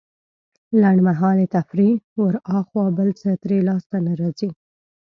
لنډمهالې تفريح وراخوا بل څه ترې لاسته نه راځي.